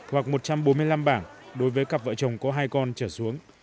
hoặc một trăm bốn mươi năm bảng đối với cặp vợ chồng có hai con trở xuống